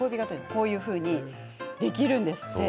こういうふうにできるんですって。